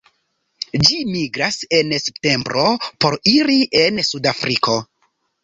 Ĝi migras en septembro por iri en Sudafriko.